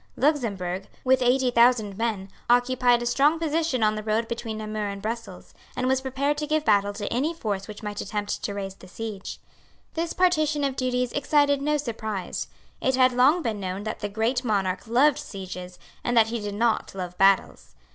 Luxemburg, with eighty thousand men, occupied a strong position on the road between Namur and Brussels, and was prepared to give battle to any force which might attempt to raise the siege. This partition of duties excited no surprise. It had long been known that the great Monarch loved sieges, and that he did not love battles.